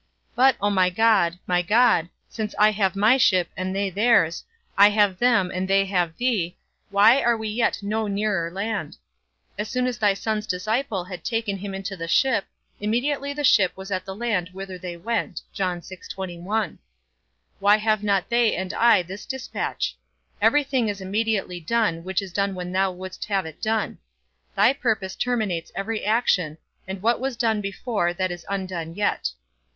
But, O my God, my God, since I have my ship and they theirs, I have them and they have thee, why are we yet no nearer land? As soon as thy Son's disciple had taken him into the ship, immediately the ship was at the land whither they went. Why have not they and I this dispatch? Every thing is immediately done, which is done when thou wouldst have it done. Thy purpose terminates every action, and what was done before that is undone yet.